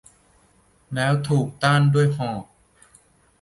แล้วถูกต้านด้วยหอก !